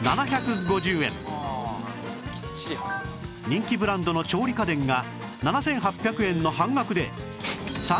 人気ブランドの調理家電が７８００円の半額で